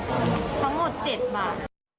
ทั้งหมด๗บาท